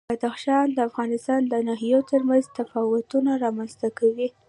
بدخشان د افغانستان د ناحیو ترمنځ تفاوتونه رامنځ ته کوي.